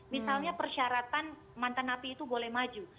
misalnya persyaratan mantan napi itu boleh maju